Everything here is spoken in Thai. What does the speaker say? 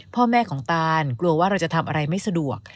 พ่อแม่ของตานกลัวว่าเราจะทำอะไรไม่สะดวก